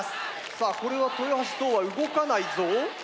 さあこれは豊橋ゾウは動かないゾウ。